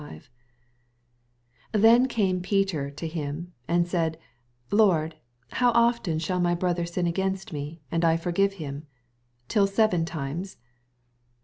21 Then came Peter to him, and Baid, Lord, how often shall m^ brother RiQ against me, and I forgive hizn? till seven times